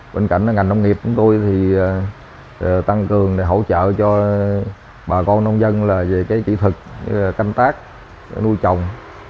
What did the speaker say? bên cạnh ngành nông nghiệp của tôi tăng cường hỗ trợ cho bà con nông dân về kỹ thuật canh tác nuôi trồng